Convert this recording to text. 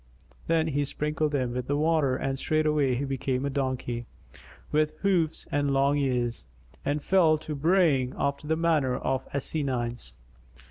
Then he sprinkled him with the water and straightway he became a donkey, with hoofs and long ears, and fell to braying after the manner of asinines.